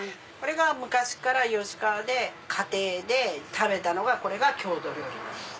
昔から吉川で家庭で食べたのがこれが郷土料理なんです。